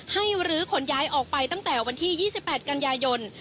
ให้ฤริขนย้ายออกไปตั้งแต่วันที่๒๘กัญญายนตร์